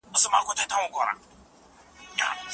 مورنۍ ژبه د زده کړې مانا څنګه روښانه کوي؟